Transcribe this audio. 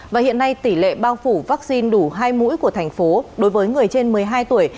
và hiện nay tỷ lệ bao phủ vaccine đủ hai mũi của thành phố đối với người trên một mươi hai tuổi